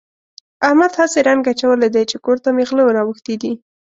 احمد هسې رنګ اچولی دی چې کور ته مې غله راوښتي دي.